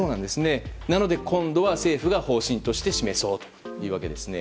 なので今度は政府が方針として示そうというわけです。